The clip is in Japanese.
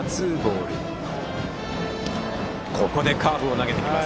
ここでカーブを投げます。